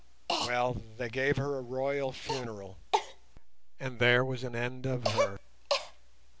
Well, they gave her a royal funeral, and there was an end of her.